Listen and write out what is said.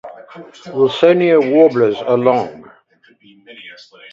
"Wilsonia" warblers are long.